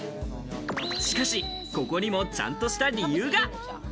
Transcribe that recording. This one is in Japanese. しかし、ここにもちゃんとした理由が。